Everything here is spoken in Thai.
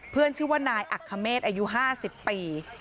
เพื่อนชื่อว่านายอักคเมฆอายุ๕๐ปี